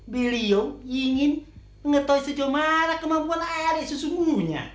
beliau ingin mengetahui sejauh mana kemampuan air sesungguhnya